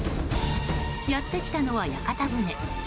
やってきたのは屋形船。